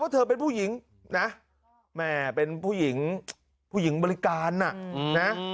เธอเป็นผู้หญิงนะแม่เป็นผู้หญิงผู้หญิงบริการนะ